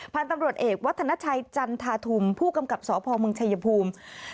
พันธุ์ตำรวจเอกวัฒนาชัยจันทาธุมผู้กำกับสพเมืองชายภูมิ